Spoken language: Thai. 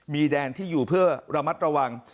มีแดนที่อยู่เพื่อระมัดระวัง